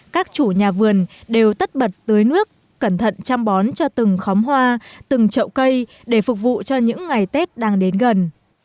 các chủ nhà vườn đều tất bật tưới nước cẩn thận chăm bón cho từng khóm hoa từng trậu cây để phục vụ cho những ngày tết đang đến gần